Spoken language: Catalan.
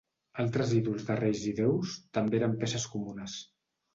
Altres ídols de reis i déus també eren peces comunes.